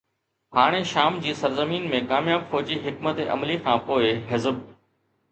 هاڻي شام جي سرزمين ۾ ڪامياب فوجي حڪمت عملي کانپوءِ حزب